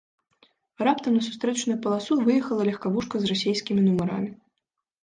Раптам на сустрэчную паласу выехала легкавушка з расійскімі нумарамі.